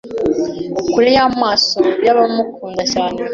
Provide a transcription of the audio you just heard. Kure y’amaso yaba mukunda cyane